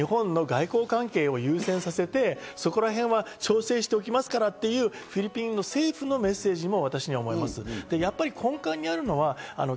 フィリピンと日本の外交関係を優先させて、そこらへんは調整しておきますからっていうフィリピン政府のメッセージも私には思えます。